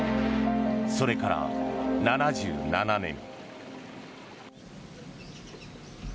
それから７７年。